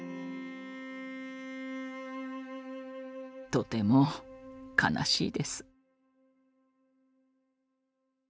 とても悲しいです。